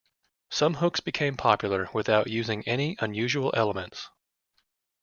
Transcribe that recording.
Some hooks become popular without using any unusual elements.